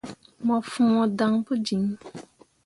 Mo fõo dan pu jiŋ.